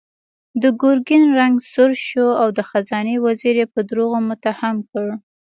د ګرګين رنګ سور شو او د خزانې وزير يې په دروغو متهم کړ.